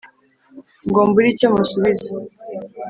Ngo mbure icyo musubiza